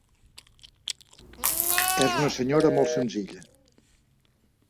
És una senyora molt senzilla.